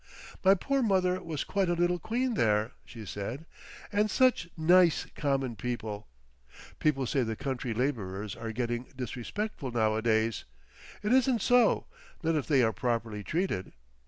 "My poor mother was quite a little Queen there," she said. "And such nice Common people! People say the country labourers are getting disrespectful nowadays. It isn't so—not if they're properly treated.